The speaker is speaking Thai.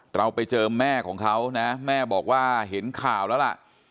เราไปเจอแม่ของเขานะแม่บอกว่าเห็นข่าวแล้วล่ะ